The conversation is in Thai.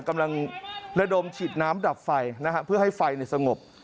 กำลังระดมฉีดน้ำดับไฟนะฮะเพื่อให้ไฟสงบ